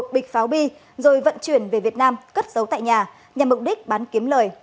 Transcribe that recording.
một bịch pháo bi rồi vận chuyển về việt nam cất giấu tại nhà nhằm mục đích bán kiếm lời